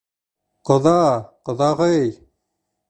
Ҡоҙа, ҡоҙағый!